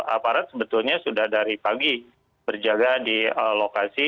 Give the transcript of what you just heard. aparat sebetulnya sudah dari pagi berjaga di lokasi